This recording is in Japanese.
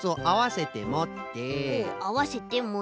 あわせてもって。